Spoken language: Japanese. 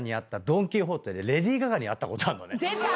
出た！